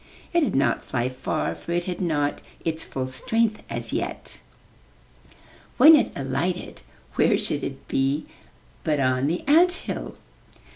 It did not fly far, for it had not its full strength as yet. When it alighted, where should it be but on the ant hill !